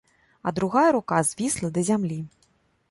А другая рука звісла да зямлі.